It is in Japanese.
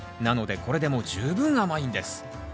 なのでこれでも十分甘いんです。